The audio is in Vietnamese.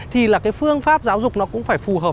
thì phương pháp giáo dục cũng phải phù hợp